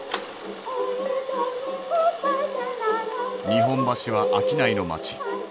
日本橋は商いの街。